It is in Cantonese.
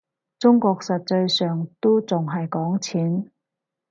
中國實際上都仲係講錢